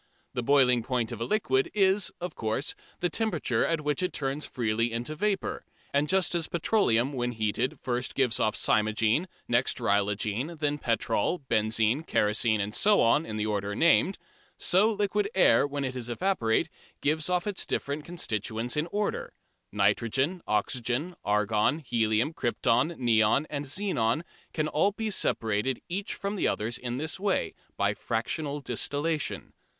The boiling point of a liquid is, of course, the temperature at which it turns freely into vapour, and just as petroleum when heated gives off first cymogene, next rhigolene, then petrol, benzine, kerosene and so on, in the order named, so liquid air, when it is evaporated, gives off its different constituents in order. Nitrogen, oxygen, argon, helium, krypton, neon and xenon can all be separated each from the others in this way, by "fractional distillation."